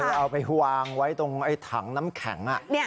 เอาไปวางไว้ตรงถังน้ำแข็ง